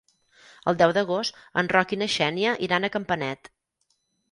El deu d'agost en Roc i na Xènia iran a Campanet.